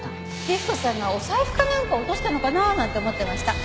雪子さんがお財布かなんかを落としたのかななんて思ってました。